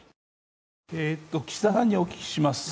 岸田さんにお聞きします。